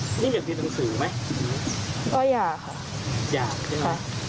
นี่อยากเรียนหนังสือไหมก็อยากค่ะอยากใช่ไหมคะ